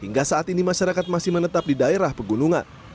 hingga saat ini masyarakat masih menetap di daerah pegunungan